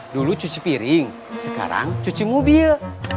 dulu cuci piring sekarang cuci mobil